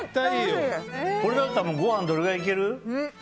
これだったらご飯どれぐらいいける？